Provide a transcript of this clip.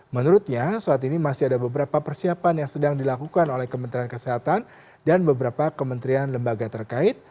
menurutnya saat ini masih ada beberapa persiapan yang sedang dilakukan oleh kementerian kesehatan dan beberapa kementerian lembaga terkait